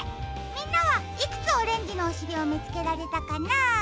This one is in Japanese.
みんなはいくつオレンジのおしりをみつけられたかな？